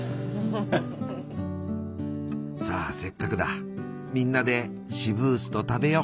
さあせっかくだみんなでシブースト食べよう。